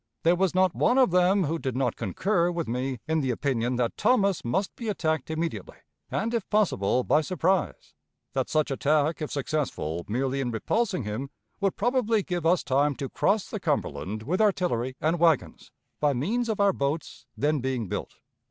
There was not one of them who did not concur with me in the opinion that Thomas must be attacked immediately, and, if possible, by surprise; that such attack, if successful merely in repulsing him, would probably give us time to cross the Cumberland with artillery and wagons, by means of our boats, then being built.